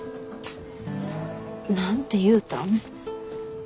何て言うたん？